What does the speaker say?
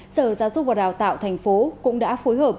sở giáo dục và đào tạo thành phố cũng đã phối hợp